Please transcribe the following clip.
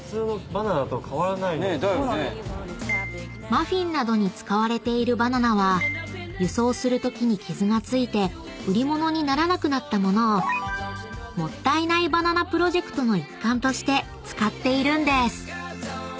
［マフィンなどに使われているバナナは輸送するときに傷が付いて売り物にならなくなった物をもったいないバナナプロジェクトの一環として使っているんです］